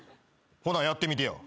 ほなやってみてや。